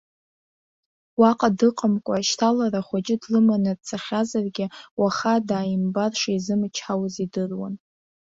Уаҟа дыҟамкәа, шьҭалара ахәыҷы длыманы дцахьазаргьы, уаха дааимбар шизымычҳауаз идыруан.